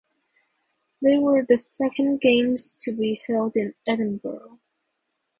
They were the second Games to be held in Edinburgh.